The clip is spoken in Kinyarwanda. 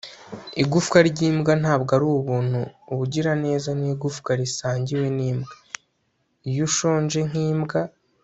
igufwa ryimbwa ntabwo ari ubuntu ubugiraneza ni igufwa risangiwe n'imbwa, iyo ushonje nk'imbwa